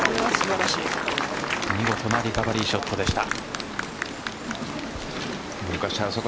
見事なリカバリーショットでした。